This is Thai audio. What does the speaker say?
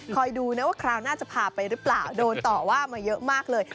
ดูนะว่าคราวหน้าจะพาไปหรือเปล่าโดนต่อว่ามาเยอะมากเลย